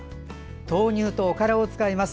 豆乳とおからを使います。